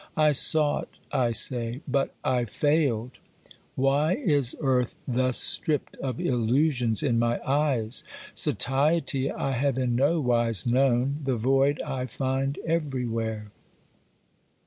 I sought, I say, but I failed. Why is earth thus stripped of illusions in my eyes ? Satiety I have in nowise known, the void I find everywhere.